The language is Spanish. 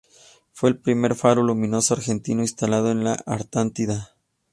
Fue el primer faro luminoso argentino instalado en la Antártida.